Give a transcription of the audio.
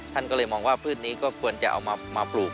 ท่านก็เลยมองว่าพืชนี้ก็ควรจะเอามาปลูก